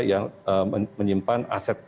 yang menyimpan aset